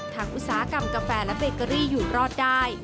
อุตสาหกรรมกาแฟและเบเกอรี่อยู่รอดได้